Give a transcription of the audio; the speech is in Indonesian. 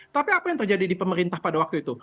tapi apa yang terjadi di pemerintah pada waktu itu